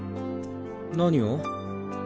何を？